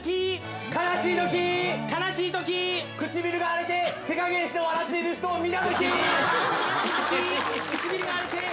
「悲しいとき唇が荒れて手加減して笑ってる人を見たとき」